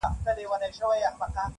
ړوند افغان دی له لېوانو نه خلاصیږي -